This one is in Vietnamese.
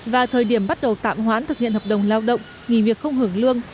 và thời điểm bắt đầu tạm hoãn thực hiện hợp đồng lao động nghỉ việc không hưởng lương